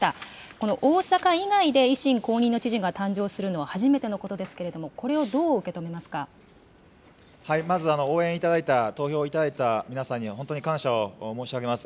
この大阪以外で、維新公認の知事が誕生するのは初めてのことですけれども、これをまず、応援いただいた、投票いただいた皆さんには、本当に感謝を申し上げます。